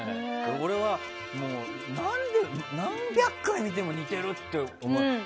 俺は、何百回見ても似てるって思って。